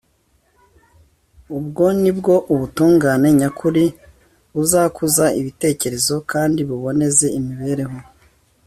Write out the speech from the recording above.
ubwo ni bwo ubutungane nyakuri buzakuza ibitekerezo kandi buboneze imibereho